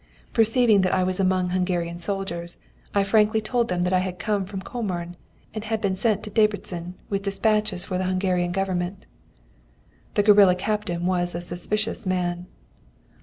Perceiving that I was among Hungarian soldiers, I frankly told them that I had come from Comorn, and had been sent to Debreczin with despatches for the Hungarian Government. "The guerilla captain was a suspicious man.